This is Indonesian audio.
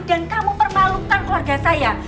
kamu permalukan keluarga saya